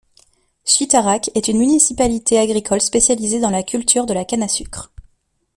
Chitaraque est une municipalité agricole spécialisée dans la culture de la canne à sucre.